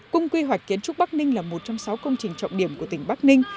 cung quy hoạch kiến trúc bắc ninh là một trong sáu công trình trọng điểm của tỉnh bắc ninh